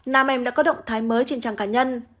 nam em đã có động thái mới trên trang cá nhân